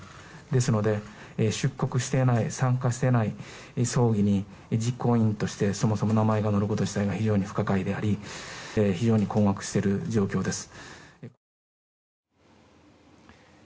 ですので、出国していない参加していない葬儀に実行委員として名前が載ること自体が非常に不可解であり非常に困惑している状況です。